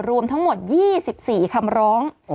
รวมทั้งหมด๒๔คำร้อง